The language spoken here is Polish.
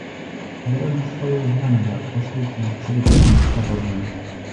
Wyrażam swoje uznanie dla posłów za przygotowanie sprawozdań